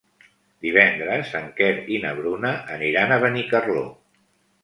Divendres en Quer i na Bruna aniran a Benicarló.